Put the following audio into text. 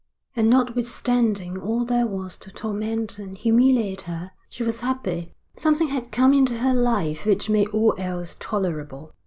And notwithstanding all there was to torment and humiliate her, she was happy. Something had come into her life which made all else tolerable.